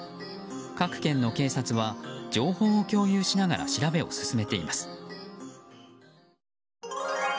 各県の警察は情報を共有しながら調べを進めています。